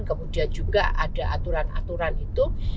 kemudian juga ada aturan aturan itu